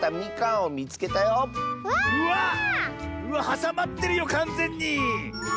はさまってるよかんぜんに！